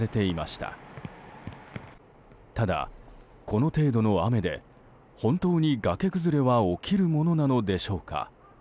ただ、この程度の雨で本当に崖崩れは起きるものなのでしょうか。